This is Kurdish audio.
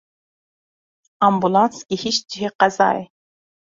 Ambûlans gihîşt cihê qezayê.